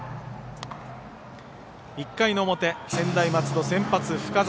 １回の表、専大松戸先発、深沢。